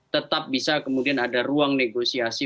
tetap bisa kemudian ada ruang negosiasi